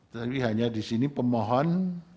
tapi hanya di sini pemohon